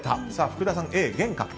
福田さん、Ａ、玄関。